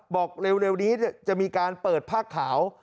บอกเร็วนี้จะมีการเปิดผ้าขาว